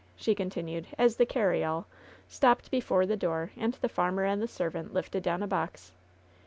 she continued, as the "carryall" stopped be fore the door, and the farmer and the servant lifted down a box.